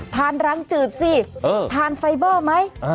ธานรังจืดสิเออธานไฟเบอร์ไหมอ่า